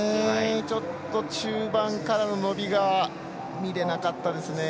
ちょっと中盤からの伸びが見れなかったですね。